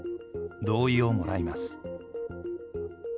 同意をもらいます。